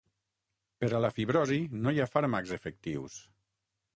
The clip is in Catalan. Per a la fibrosi no hi ha fàrmacs efectius.